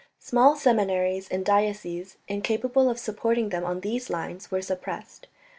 Small seminaries in dioceses incapable of supporting them on these lines were suppressed.